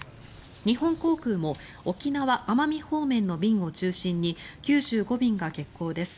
日本航空も沖縄・奄美方面の便を中心に９５便が欠航です。